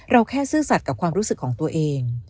แค่ซื่อสัตว์กับความรู้สึกของตัวเอง